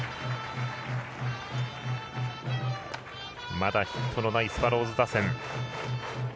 まだヒットのないスワローズ打線。